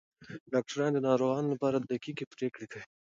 ډاکټران د ناروغانو لپاره دقیقې پریکړې کوي.